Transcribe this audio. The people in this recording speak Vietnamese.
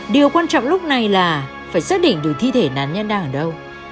điều quan trọng lúc này là phải xác định được thi thể nạn nhân đang ở đâu